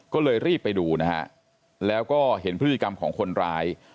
ก็เลยรีบไปดูนะฮะแล้วก็เห็นพฤติกรรมของคนร้าย